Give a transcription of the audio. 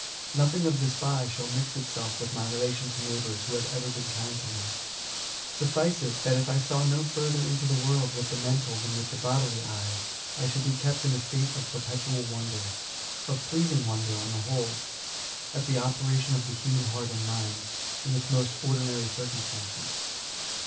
Nothing of the spy shall mix itself with 86 B88ATS. my relation to neighbours who have ever been kind to me. Suffice it^ that if I saw no further into the world with the mental than with the bodily eye, I should be kept in a state of perpetual wonder, (of pleasing wonder, on the whole,) at the operation of the human heart and mind, in its most ordinary circumstances.